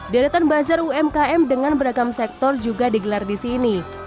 deretan bazar umkm dengan beragam sektor juga digelar di sini